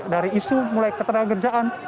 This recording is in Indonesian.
dari isu mulai ketenagakerjaan